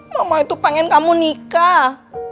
mama itu pengen kamu nikah